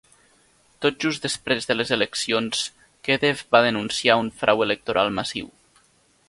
Tot just després de les eleccions, Kedev va denunciar un frau electoral massiu.